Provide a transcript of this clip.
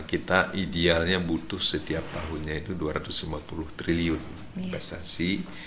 kita idealnya butuh setiap tahunnya itu dua ratus lima puluh triliun investasi